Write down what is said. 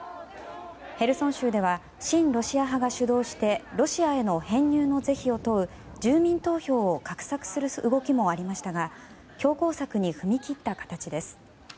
ヘルソン州では親ロシア派が主導してロシアへの編入の是非を問う住民投票を画策する動きもありましたが強硬策に踏み切った形です。